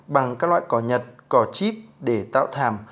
bằng các loại cỏ nhật cỏ chip để tạo thảm